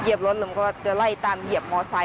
เหยียบรถก็จะไล่ตามเหยียบมอเซ้นอะ